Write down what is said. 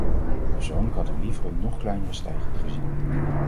Persoonlijk had ik liever een nog kleinere stijging gezien.